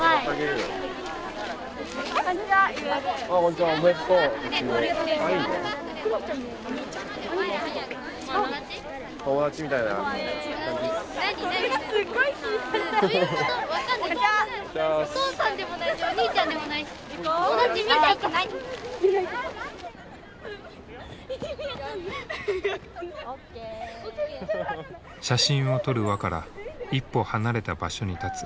写真を撮る輪から一歩離れた場所に立つミツ。